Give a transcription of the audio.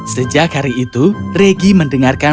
sejak hari itu regi mendengarkan